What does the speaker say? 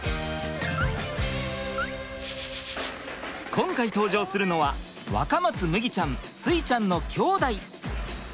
今回登場するのは若松麦ちゃん穂ちゃんのきょうだい。